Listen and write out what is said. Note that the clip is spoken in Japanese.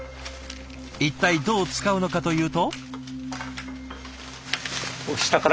一体どう使うのかというと。